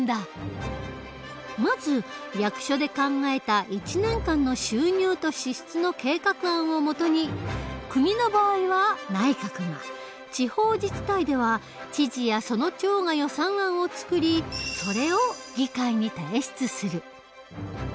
まず役所で考えた１年間の収入と支出の計画案を基に国の場合は内閣が地方自治体では知事やその長が予算案を作りそれを議会に提出する。